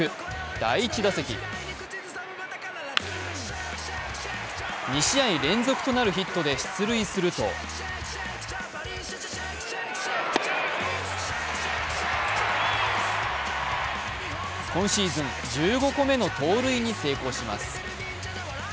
第１打席２試合連続となるヒットで出塁すると今シーズン１５個目の盗塁に成功します。